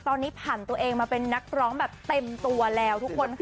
ตอนนี้ผ่านตัวเองมาเป็นนักร้องแบบเต็มตัวแล้วทุกคนค่ะ